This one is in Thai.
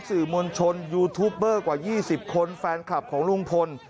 สื่อมวลชนยูทูปเบอร์กว่า๒๐คนแฟนคลับของลุงพล